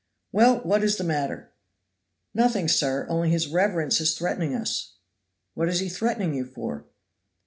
"Well, what is the matter?" "Nothing, sir; only his reverence is threatening us." "What is he threatening you for?"